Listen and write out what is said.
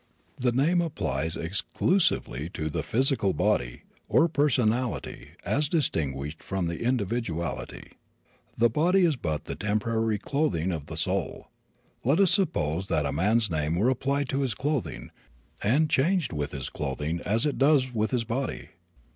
The name applies exclusively to the physical body, or personality, as distinguished from the individuality. That body is but the temporary clothing of the soul. Let us suppose that a man's name were applied to his clothing and changed with his clothing as it does with his body.